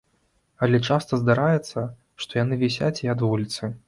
Але часта здараецца, што яны вісяць і ад вуліцы.